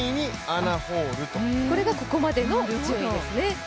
それがここまで終わっての順位ですね。